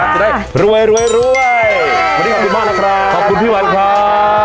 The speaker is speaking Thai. จะได้รวยรวยวันนี้ขอบคุณมากนะครับขอบคุณพี่วันครับ